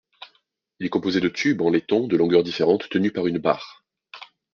Il est composé de tubes en laiton de longueurs différentes tenus par une barre.